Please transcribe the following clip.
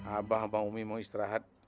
abah abah umi mau istirahat